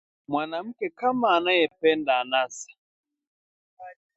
Mwanamke kama anayependa anasa